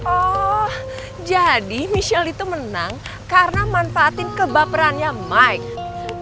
oh jadi michelle itu menang karena manfaatin kebaperannya mike